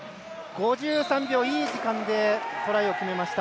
５３秒、いい時間でトライを決めました。